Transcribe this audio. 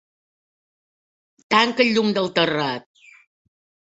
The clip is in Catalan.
Tanca el llum del terrat.